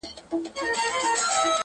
دا دمست پښتون ولس دی -